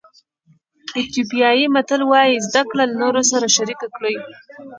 ایتیوپیایي متل وایي زده کړه له نورو سره شریک کړئ.